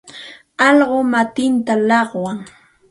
Allquu matintam llaqwan.